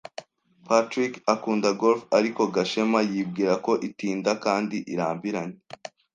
Patrick akunda golf, ariko Gashema yibwira ko itinda kandi irambiranye.